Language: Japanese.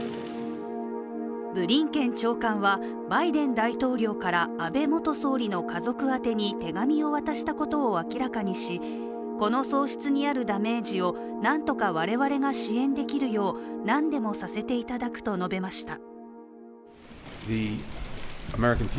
ブリンケン長官は、バイデン大統領から安倍元総理の家族宛に手紙を渡したことを明らかにし、この喪失にあるダメージを何とか我々が支援できるよう何でもさせていただくと述べました。